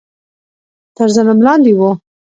تر ظلم لاندې وو